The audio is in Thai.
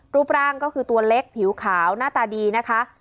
รูปร่างก็คือตัวเล็กผิวขาวหน้าตาดีนะคะ